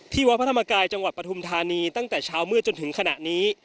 วัดพระธรรมกายจังหวัดปฐุมธานีตั้งแต่เช้ามืดจนถึงขณะนี้